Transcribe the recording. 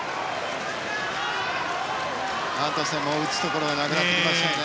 アントンセンも打つところがなくなってきましたね。